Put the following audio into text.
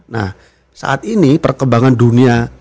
nah saat ini perkembangan dunia